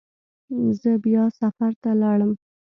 زه بیا سفر ته لاړم.